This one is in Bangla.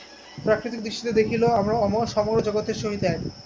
প্রাকৃতিক দৃষ্টিতে দেখিলেও আমরা অমর, সমগ্র জগতের সহিত এক।